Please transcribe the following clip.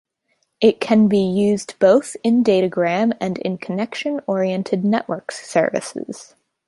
It can be used both in datagram and in connection-oriented network services.